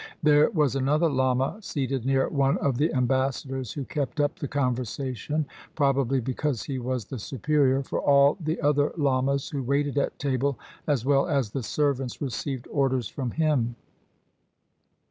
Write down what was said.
There was another lama seated near one of the ambassadors who kept up the conversation, probably because he was the superior, for all the other lamas, who waited at table as well as the servants, received orders from him.